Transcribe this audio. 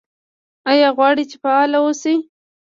ایا غواړئ چې فعال اوسئ؟